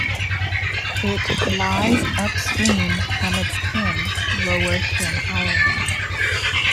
It lies upstream from its twin, Lower Twin Island.